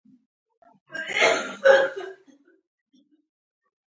مطالعې ښیې چې یوازې شپږ دقیقې کولی شي